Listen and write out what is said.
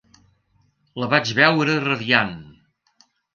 La vaig veure radiant.